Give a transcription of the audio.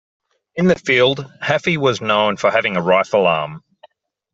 In the field, Hafey was known for having a rifle arm.